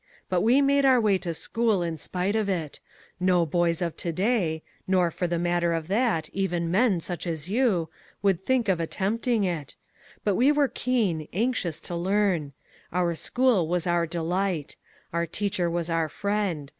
But we made our way to school in spite of it. No boys of to day, nor, for the matter of that, even men such as you, would think of attempting it. But we were keen, anxious to learn. Our school was our delight. Our teacher was our friend.